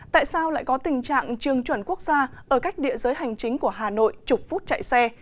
tại sao lại có tình trạng trường chuẩn quốc gia ở cách địa giới hành chính của hà nội chục phút chạy xe